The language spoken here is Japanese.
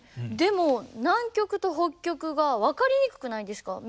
でも南極と北極が分かりにくくないですか？